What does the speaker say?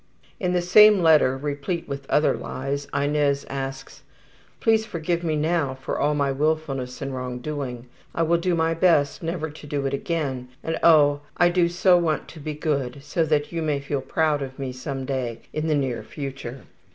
'' In the same letter, replete with other lies, Inez asks, ``Please forgive me now for all my willfulness and wrongdoing. I will do my best never to do it again, and Oh! I do so want to be good so that you may feel proud of me some day in the near future.''